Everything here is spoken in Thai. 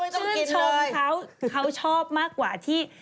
ชื่นชมเขาเขาชอบมากกว่าที่